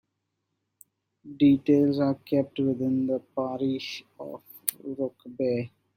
Details are kept within the parish of Rokeby.